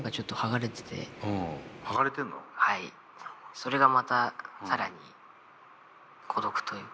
それがまた更に孤独というか。